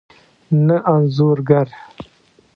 نه انځور ګر